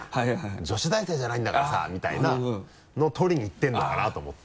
「女子大生じゃないんだからさ」みたいなのを取りにいってるのかな？と思って。